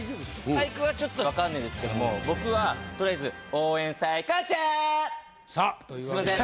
俳句はちょっと分かんないですけども僕はとりあえずすみません。